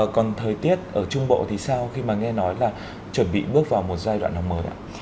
còn thời tiết ở trung bộ thì sao khi mà nghe nói là chuẩn bị bước vào một giai đoạn học mới ạ